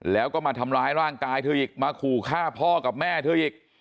แล้วก็มาทำร้ายร่างกายเธออีกมาขู่ฆ่าพ่อกับแม่เธออีก